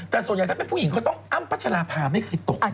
แต่ส่วนใหญ่ถ้าเป็นผู้หญิงก็ต้องอ้ำพัชราภาไม่เคยตก